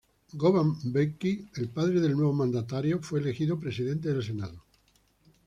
Govan Mbeki, el padre del nuevo mandatario, fue elegido presidente del Senado.